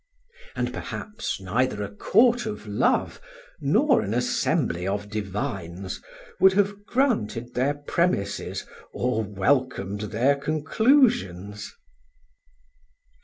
And perhaps neither a court of love nor an assembly of divines would have granted their premises or welcomed their conclusions.